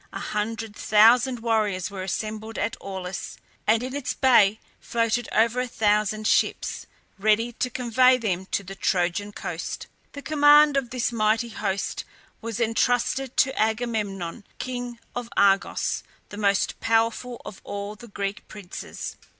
A hundred thousand warriors were assembled at Aulis, and in its bay floated over a thousand ships, ready to convey them to the Trojan coast. The command of this mighty host was intrusted to Agamemnon, king of Argos, the most powerful of all the Greek princes.